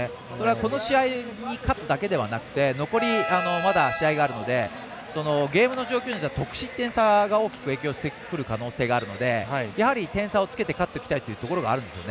この試合に勝つだけではなくて残り、まだ試合があるのでゲームの状況で得失点差が大きく影響してくる可能性があるので点差をつけて勝っておきたいというところがあるんですよね。